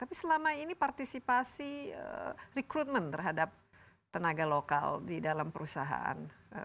tapi selama ini partisipasi rekrutmen terhadap tenaga lokal di dalam perusahaan